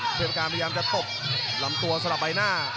เพชรสร้างบ้านพยายามจะตบลำตัวสลับใบหน้า